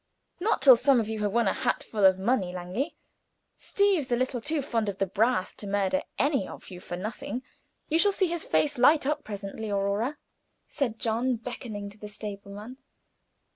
"Not till some of you have won a hatful of money, Langley. Steeve's a little too fond of the brass to murder any of you for nothing. You shall see his face light up presently, Aurora," said John, beckoning to the stableman.